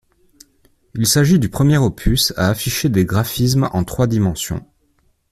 Il s'agit du premier opus à afficher des graphismes en trois dimensions.